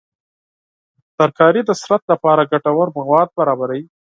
ترکاري د بدن لپاره ګټور مواد برابروي.